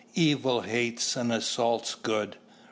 Evil hates and assaults good.